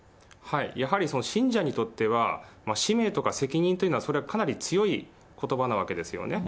やはり信者にとっては、使命とか責任というのはそれはかなり強いことばなわけですよね。